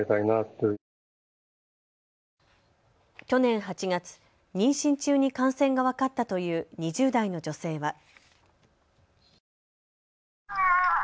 去年８月、妊娠中に感染が分かったという２０代の女性は。